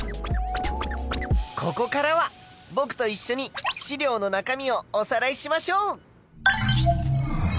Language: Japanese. ここからはぼくといっしょに資料の中身をおさらいしましょう！